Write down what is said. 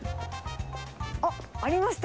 あっ、ありました。